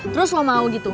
terus lo mau gitu